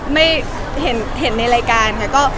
ไม่เห็นในรายการค่ะ